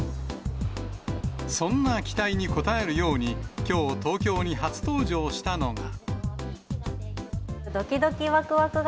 そんな期待に応えるように、きょう、東京に初登場したのが。